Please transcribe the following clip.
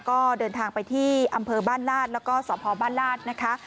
ก็เดินทางไปที่อำเภอบ้านลาดแล้วก็สพบ้านลาดนะคะ